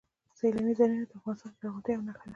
سیلاني ځایونه د افغانستان د زرغونتیا یوه نښه ده.